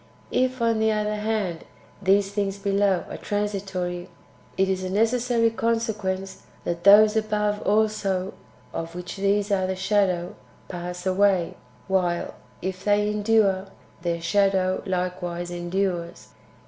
If, on the otlier hand, these things [below] are transitory, it is a necessary consequence that those [above] also, of which these are the shadow, pass away ; while, if they endure, their shadow likewise endures.